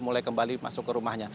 mulai kembali masuk ke rumahnya